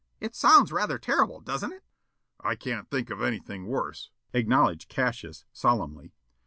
It sounds rather terrible, doesn't it?" "I can't think of anything worse," acknowledged Cassius, solemnly.